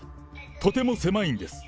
とても狭いんです。